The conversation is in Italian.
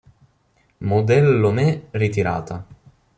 Modèle Lomé ritirata.